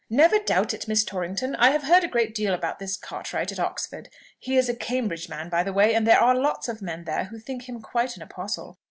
"Never doubt it, Miss Torrington. I have heard a great deal about this Cartwright at Oxford. He is a Cambridge man, by the way, and there are lots of men there who think him quite an apostle.